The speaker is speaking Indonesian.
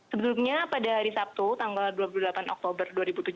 sebelumnya pada hari sabtu tanggal dua puluh delapan oktober dua ribu tujuh belas